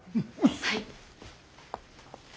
はい。